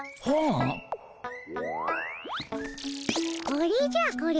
これじゃこれ。